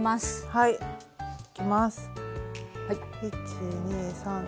はい。